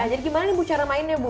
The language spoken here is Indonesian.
jadi gimana nih ibu cara mainnya ibu